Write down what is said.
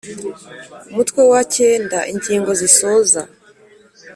Umutwe wa ix ingingo zisoza